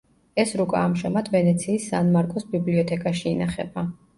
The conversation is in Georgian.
ეს რუკა ამჟამად ვენეციის სან-მარკოს ბიბლიოთეკაში ინახება.